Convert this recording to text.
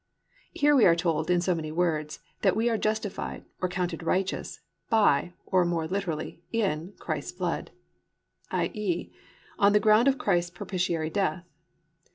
"+ Here we are told in so many words that we are justified, or counted righteous "by," or more literally, "in," Christ's blood, i.e., on the ground of Christ's propitiatory death.